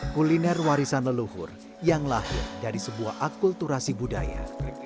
kuliner warisan leluhur yang lahir dari sebuah akulturasi budaya